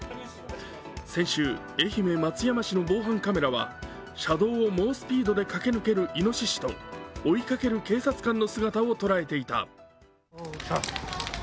先週、愛媛・松山市の防犯カメラは車道を猛スピードで駆け抜ける、いのししと追いかける警察官の姿を捉えていた。